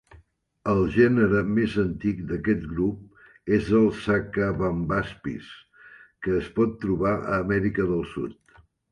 El gènere més antic d'aquest grup és el "Sacabambaspis" que es pot trobar a Amèrica del Sud.